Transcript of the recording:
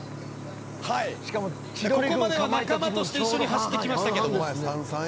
ここまでは仲間として一緒に走ってきましたが。